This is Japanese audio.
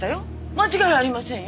間違いありませんよ。